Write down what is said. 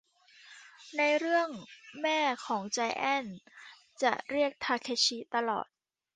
ในเรื่องแม่ของไจแอนท์จะเรียกทาเคชิตลอด